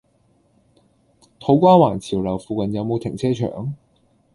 土瓜灣潮樓附近有無停車場？